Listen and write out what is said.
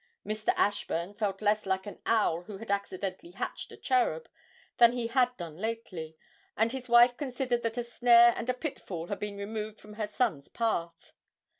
Mr. Ashburn felt less like an owl who had accidentally hatched a cherub, than he had done lately, and his wife considered that a snare and a pitfall had been removed from her son's path.